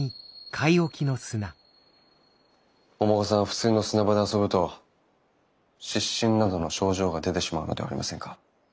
普通の砂場で遊ぶと湿疹などの症状が出てしまうのではありませんか？